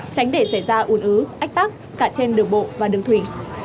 tránh để xảy ra uốn ứ ách tác cả trên đường bộ và đường thủy